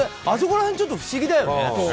あそこら辺ちょっと不思議だよね。